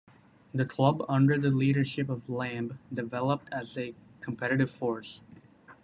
The club under the leadership of Lamb developed as a competitive force.